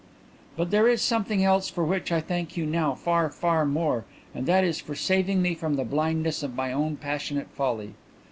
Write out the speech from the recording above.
"But there is something else for which I thank you now far, far more, and that is for saving me from the blindness of my own passionate folly.